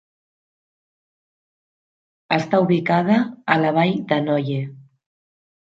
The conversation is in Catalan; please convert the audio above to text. Està ubicada a la vall de Noye.